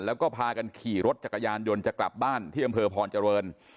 แล้วก็พากันขี่รถจักรยานยนต์จะกลับบ้านที่อำเภอพรเจริญ